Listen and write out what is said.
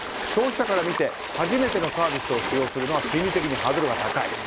消費者から見て初めてのサービスを使用するのは心理的にハードルが高い。